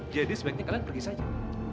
jadi sebaiknya kalian pergi saja